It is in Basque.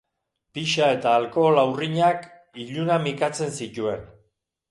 Pixa eta alhokola urrinak ilunak mikazten zituen.